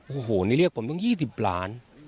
โอ้โหนี่เรียกผมตั้ง๒๐ล้าน